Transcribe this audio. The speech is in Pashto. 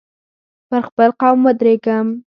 پر خپل قول ودرېږم.